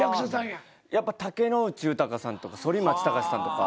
やっぱ竹野内豊さんとか反町隆史さんとか。